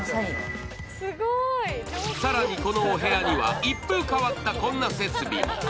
更にこのお部屋には一風変わったこんな設備も。